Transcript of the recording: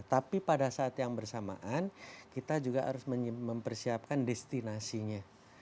tapi pada saat yang bersamaan kita juga harus mempersiapkan destinasinya